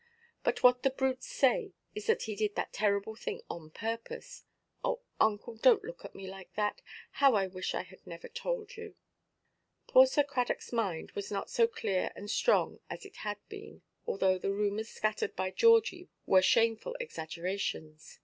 But what the brutes say is that he did that terrible thing on purpose. Oh, uncle, donʼt look at me like that. How I wish I had never told you!" Poor Sir Cradockʼs mind was not so clear and strong as it had been, although the rumours scattered by Georgie were shameful exaggerations.